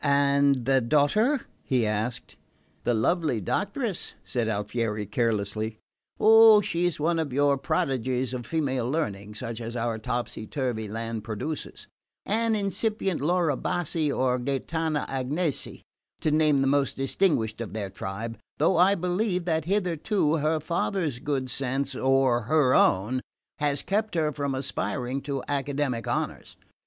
"And the daughter?" he asked. "The lovely doctoress?" said Alfieri carelessly. "Oh, she's one of your prodigies of female learning, such as our topsy turvy land produces: an incipient Laura Bassi or Gaetana Agnesi, to name the most distinguished of their tribe; though I believe that hitherto her father's good sense or her own has kept her from aspiring to academic honours.